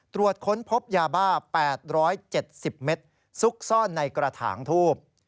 ตรวจค้นพบยาบ้า๘๗๐เมตรซุกซ่อนในกระถางทูบ